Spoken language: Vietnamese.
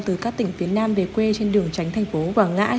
từ các tỉnh phía nam về quê trên đường tránh thành phố quảng ngãi